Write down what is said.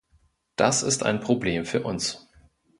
Das ist ein Problem für uns.